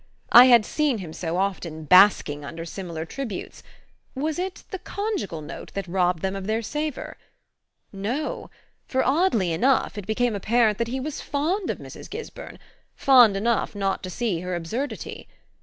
I had seen him, so often, basking under similar tributes was it the conjugal note that robbed them of their savour? No for, oddly enough, it became apparent that he was fond of Mrs. Gisburn fond enough not to see her absurdity.